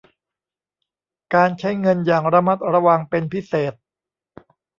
การใช้เงินอย่างระมัดระวังเป็นพิเศษ